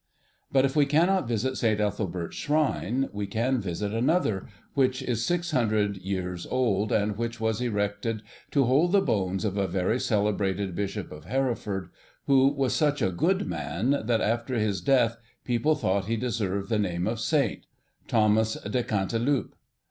But if we cannot visit St. Ethelbert's shrine, we can visit another, which is six hundred years old, and which was erected to hold the bones of a very celebrated Bishop of Hereford, who was such a good man, that, after his death, people thought he deserved the name of Saint; Thomas de Cantilupe.